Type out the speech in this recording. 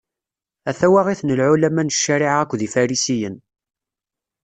A tawaɣit n Lɛulama n ccariɛa akked Ifarisiyen.